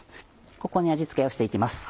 ここに味付けをして行きます。